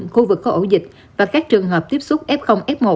khu vực có ổ dịch và các trường hợp tiếp xúc f f một